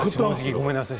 ごめんなさい。